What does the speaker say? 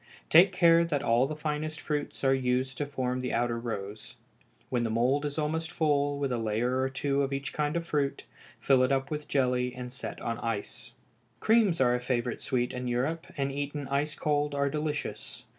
Take care that all the finest fruits are used to form the outer rows. When the mould is almost full, with a layer or two of each kind of fruit, fill it up with jelly and set on ice. Creams are a favorite sweet in Europe, and eaten ice cold are delicious.